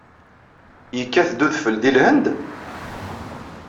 Yekkat-d udfel deg Lhend?